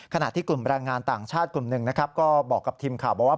ขณะที่กลุ่มแรงงานต่างชาติกลุ่มหนึ่งนะครับก็บอกกับทีมข่าวบอกว่า